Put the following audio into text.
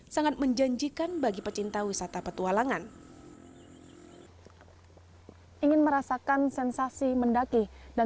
sangat menjanjikan bagi pecinta wisata petualangan